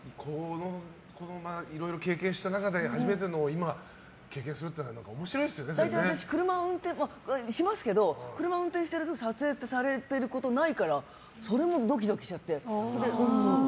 いろいろ経験した中で初めてを今経験するっていうのは私、車の運転しますけど車を運転してるの撮影されてることないからそれもドキドキしちゃって。